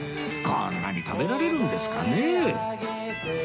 こんなに食べられるんですかねえ？